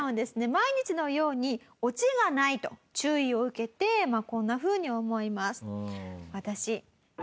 毎日のようにオチがないと注意を受けてこんなふうに思います。